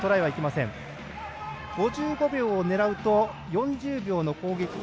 ５５秒を狙うと４０秒の攻撃権。